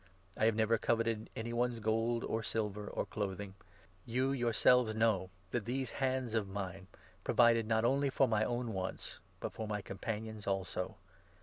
I have never coveted any one's gold or silver 33 or clothing. You, yourselves, know that these hands of mine 34 provided not only for my own wants, but for my companions also.